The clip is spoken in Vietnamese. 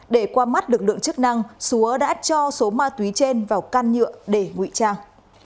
để qua mắt lực lượng chức năng xúa đã cho số ma túy trên vào can nhựa để ngụy trang